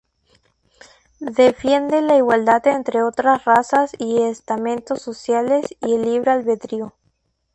Defiende la igualdad entre todas las razas y estamentos sociales y el libre albedrío.